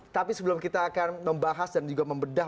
tapi sebelum kita akan membahas dan juga membedah